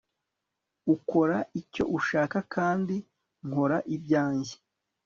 ukora icyo ushaka - kandi nkora ibyanjye